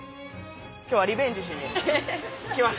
今日はリベンジしに来ました。